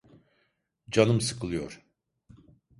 Canım sıkılıyor.